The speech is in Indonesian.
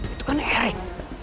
itu kan erik